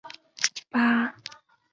维勒讷沃的总面积为平方公里。